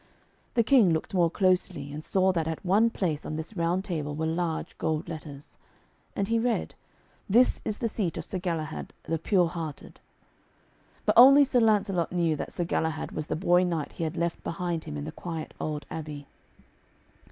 The King looked more closely, and saw that at one place on this Round Table were large gold letters. And he read, 'This is the seat of Sir Galahad, the Pure hearted.' But only Sir Lancelot knew that Sir Galahad was the boy knight he had left behind him in the quiet old abbey.